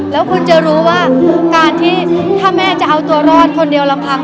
แล้วคุณจะรู้ว่าการที่ถ้าแม่จะเอาตัวรอดคนเดียวลำพัง